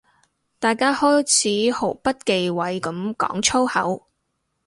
大家開始毫不忌諱噉講粗口